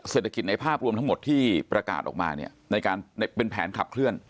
เศรษฐกิจในภาพรวมทั้งหมดที่ประกาศออกมาเนี่ยในการเป็นแผนขับเคลื่อน